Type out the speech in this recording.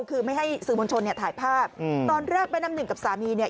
คือไม่ให้สื่อมวลชนเนี่ยถ่ายภาพอืมตอนแรกแม่น้ำหนึ่งกับสามีเนี่ย